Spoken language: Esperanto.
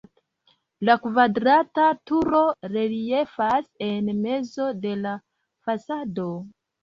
La kvadrata turo reliefas en mezo de la fasado.